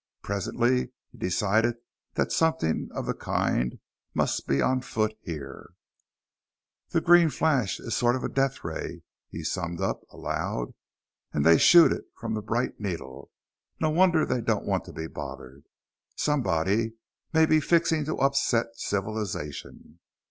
Presently he decided that something of the kind must be on foot here. "The green flash is a sort of a death ray," he summed up, aloud. "And they shoot it from that bright needle. No wonder they don't want to be bothered! Somebody may be fixing to upset civilization!